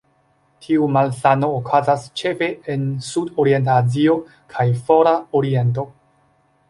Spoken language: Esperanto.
Tiu malsano okazas ĉefe en Sudorienta Azio kaj Fora Oriento.